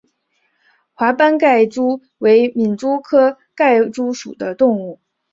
华斑盖蛛为皿蛛科盖蛛属的动物。